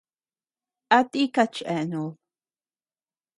¿A tika cheanud?